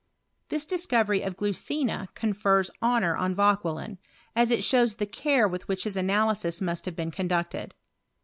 This discovery of glucina confers honour on Vauquelin, as it shows the care with which his analyses must have been conducted.